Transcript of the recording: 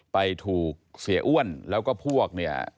ไปถูกเสียอ้วนแล้วก็พวก